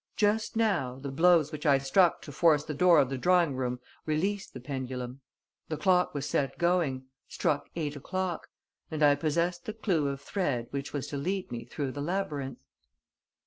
Just now, the blows which I struck to force the door of the drawing room released the pendulum. The clock was set going, struck eight o'clock ... and I possessed the clue of thread which was to lead me through the labyrinth."